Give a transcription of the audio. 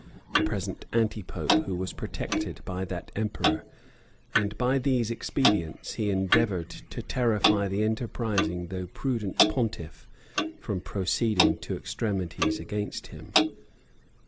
the present antipope, who was protected by that emperor; and by these expedients he endeavored to terrify the enterprising though prudent pontiff from proceeding to extremities against him.